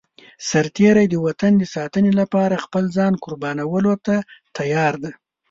سرتېری د وطن د ساتنې لپاره خپل ځان قربانولو ته تيار دی.